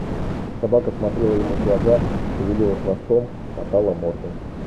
Собака смотрела ему в глаза, шевелила хвостом, мотала мордой.